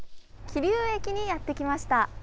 桐生駅にやってきました。